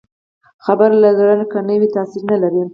خبره له زړه که نه وي، تاثیر نه لري